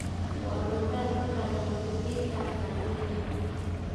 يوه ټوټه ځمکه دې مؤسسې ته ځانګړې شوه